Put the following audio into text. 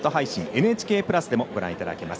ＮＨＫプラスでもご覧いただけます。